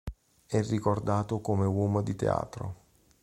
È ricordato come uomo di teatro.